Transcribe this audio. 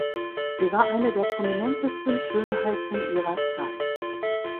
Sie war eine der prominentesten Schönheiten ihrer Zeit.